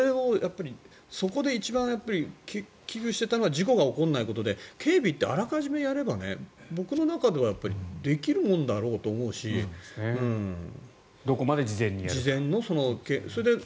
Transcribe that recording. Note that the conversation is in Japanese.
そこで一番危惧していたのが事故が起こらないことで警備ってあらかじめやれば僕の中ではできるものだろうと思うしどこまで事前にやるか。